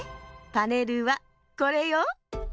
パネルはこれよ。